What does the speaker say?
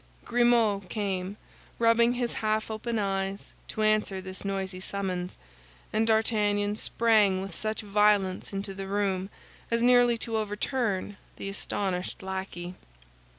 Grimaud came, rubbing his half open eyes, to answer this noisy summons, and D'Artagnan sprang with such violence into the room as nearly to overturn the astonished lackey.